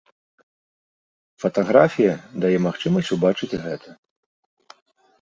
Фатаграфія дае магчымасць убачыць гэта.